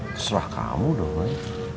terserah kamu doang